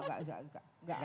enggak ada begitu